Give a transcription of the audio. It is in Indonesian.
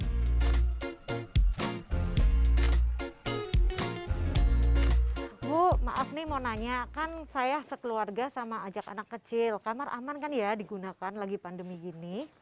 ibu maaf nih mau nanya kan saya sekeluarga sama ajak anak kecil kamar aman kan ya digunakan lagi pandemi gini